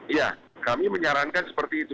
iya kami menyarankan seperti itu